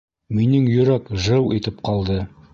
Минең йөрәк жыу итеп ҡалды.